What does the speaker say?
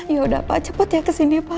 yaudah pak cepet ya kesini pak